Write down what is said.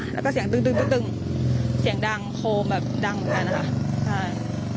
แล้วก็เสียงตึงตึงตึงตึงเสียงดังโคมแบบดังไปนะครับใช่